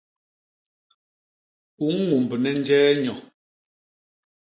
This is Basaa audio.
U ñumbne njee nyo?